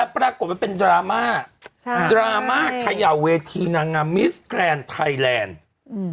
ปรากฏว่าเป็นดรามาฮะใช่ดรามาฮะขยาเวทีนางงามมิสแกนทรายแลนด์อืม